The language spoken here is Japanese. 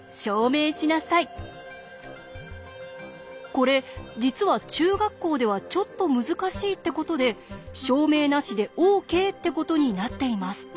これ実は中学校ではちょっと難しいってことで証明なしでＯＫってことになっています。